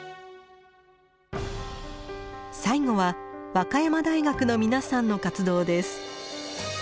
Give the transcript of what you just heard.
最後は和歌山大学の皆さんの活動です。